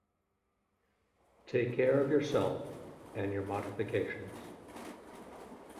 Take care of yourself and your modifications.